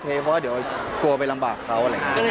เพราะว่าเดี๋ยวกลัวไปลำบากเค้า